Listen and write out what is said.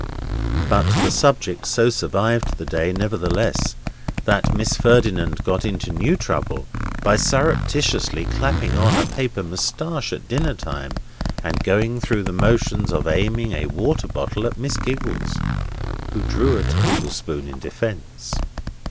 But the subject so survived all day, nevertheless, that Miss Ferdinand got into new trouble by surreptitiously clapping on a paper moustache at dinner time, and going through the motions of aiming a water bottle at Miss Giggles, who drew a table spoon in defence.